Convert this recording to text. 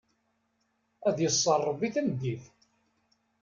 Ad iṣṣer Ṛebbi tameddit!